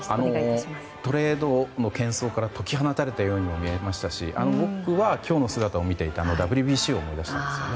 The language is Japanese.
トレードの喧騒から解き放たれたようにも見えましたし僕は今日の姿を見てＷＢＣを思い出したんですね。